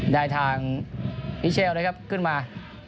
ได้ทางมิเชลนะครับขึ้นมา